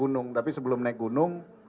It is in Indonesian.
gunung tapi sebelum naik gunung